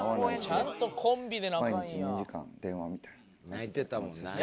泣いてたもんな。